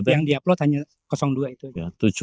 yang di upload hanya dua itu aja